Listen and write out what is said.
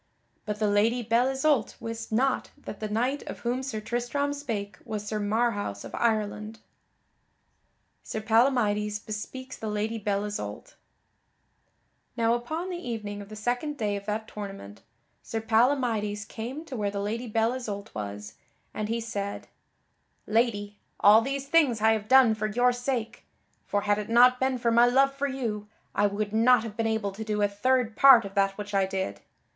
But the Lady Belle Isoult wist not that that knight of whom Sir Tristram spake was Sir Marhaus of Ireland. [Sidenote: Sir Palamydes bespeaks the Lady Belle Isoult] Now upon the evening of the second day of that tournament, Sir Palamydes came to where the Lady Belle Isoult was, and he said: "Lady, all these things I have done for your sake. For had it not been for my love for you, I would not have been able to do a third part of that which I did.